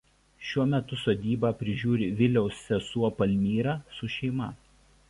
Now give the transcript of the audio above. Šiuo metu sodybą prižiūri Viliaus sesuo Palmyra su šeima.